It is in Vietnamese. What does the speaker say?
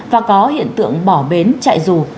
và có hiện tượng bỏ bến chạy dù